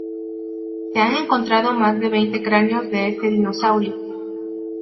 Se han encontrado más de veinte cráneos de este dinosaurio.